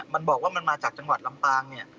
มันบอกว่ามันมาจากจังหวัดลำปางเนี่ย